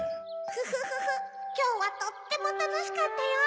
フフフきょうはとってもたのしかったよ。